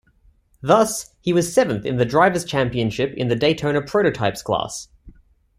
Thus, he was seventh in the drivers' championship in the Daytona Prototypes class.